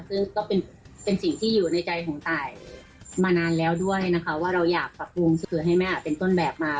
ซึ่งก็เป็นสิ่งที่อยู่ในใจของตายมานานแล้วด้วยนะคะว่าเราอยากปรับปรุงสะกือให้แม่เป็นต้นแบบมา